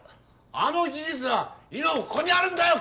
あの技術は今もここにあるんだよ